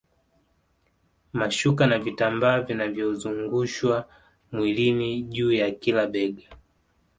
Mashuka na vitambaa vinavyozungushwa mwilini juu ya kila bega